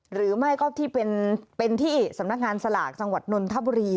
หรือไม่ก็ที่เป็นที่สำนักงานสลากจังหวัดนนทบุรี